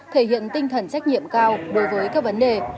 thể hiện tinh thần trách nhiệm cao đối với các vấn đề